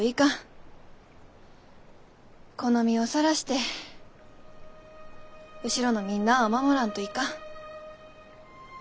この身をさらして後ろのみんなあを守らんといかん。